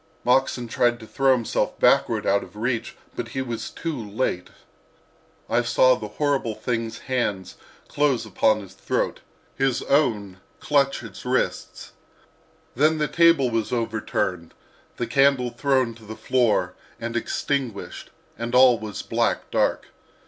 Moxon tried to throw himself backward out of reach, but he was too late: I saw the horrible thing's hands close upon his throat, his own clutch its wrists. Then the table was overturned, the candle thrown to the floor and extinguished, and all was black dark.